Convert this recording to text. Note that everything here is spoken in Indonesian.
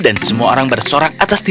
dan semua orang bersorak atasnya